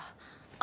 あ。